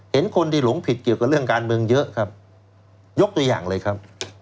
เห็นคนที่หลงผิดเกี่ยวกับเรื่องการเมืองเยอะครับยกตัวอย่างเลยครับ